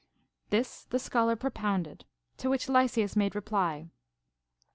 3. This the scholar propounded ; to which Lysias made reply.